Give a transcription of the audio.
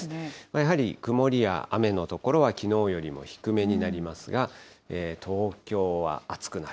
やはり曇りや雨の所はきのうよりも低めになりますが、東京は暑くなる。